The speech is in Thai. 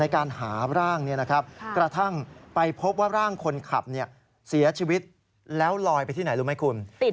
การหาร่างกระทั่งไปพบว่าร่างคนขับเสียชีวิตแล้วลอยไปที่ไหนรู้ไหมคุณ